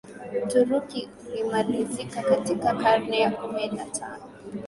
Uturuki ulimalizika katika karne ya kumi na tano